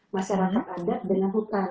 masyarakat adat dengan hutan